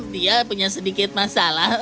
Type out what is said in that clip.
dia punya sedikit masalah